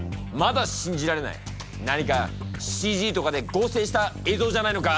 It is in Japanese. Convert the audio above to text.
何かＣＧとかで合成した映像じゃないのか！？